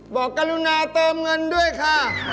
กรุณาเติมเงินด้วยค่ะ